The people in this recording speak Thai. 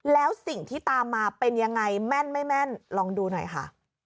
แล้วสิ่งที่ตามมาเป็นยังไงแม่นไม่แม่นลองดูหน่อยค่ะ